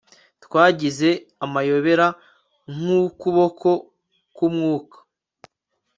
twagize amayobera nk'ukuboko k'umwuka